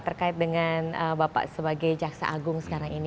terkait dengan bapak sebagai jaksa agung sekarang ini